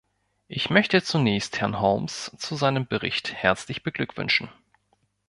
Ich möchte zunächst Herrn Holmes zu seinem Bericht herzlich beglückwünschen.